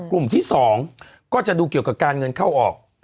กลุ่มที่๒ก็จะดูเกี่ยวกับการเงินเข้าออก